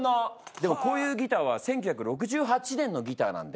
でもこういうギターは１９６８年のギターなんで。